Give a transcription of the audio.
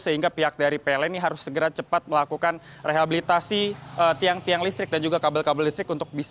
sehingga pihak dari pln ini harus segera cepat melakukan rehabilitasi tiang tiang listrik dan juga kabel kabel listrik